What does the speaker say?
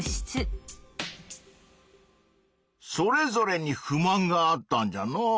それぞれに不満があったんじゃのう。